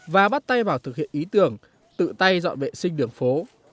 và bắt tay vào thực hiện ý tưởng tự tay dọn vệ sinh đường phố